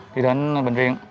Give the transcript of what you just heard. đi đến bệnh viện